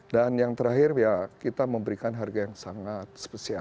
dan yang terakhir ya kita memberikan harga yang sangat sebagainya